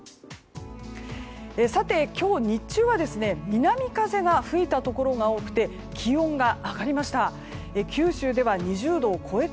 今日、日中は南風が吹いたところが多くて気温が上がりました。